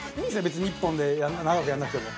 別に１本で長くやらなくても。